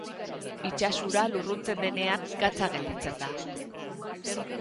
Itsas ura lurruntzen denean, gatza gelditzen da.